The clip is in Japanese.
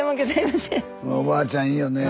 おばあちゃんいいよね。